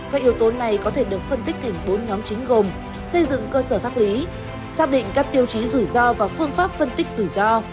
các yếu tố này có thể được phân tích thành bốn nhóm chính gồm xây dựng cơ sở pháp lý xác định các tiêu chí rủi ro và phương pháp phân tích rủi ro